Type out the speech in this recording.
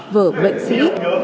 vở bệnh sĩ